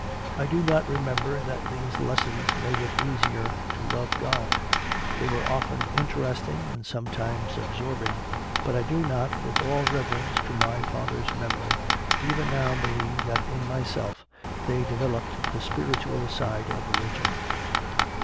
I do not remember that these lessons made it easier to love God; they were often interesting, and sometimes absorbing; but I do not, with all reverence to my father s memory, CONFESSIONS OF A CONVERT 13 even now believe that in myself they developed the spiritual side of religion.